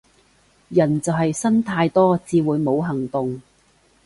人就係呻太多至會冇行動